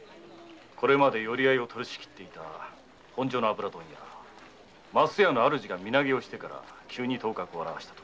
これまで寄合を取り仕切ってきた本所の油問屋・升屋の主人が身投げをしてから急に頭角を現したとか。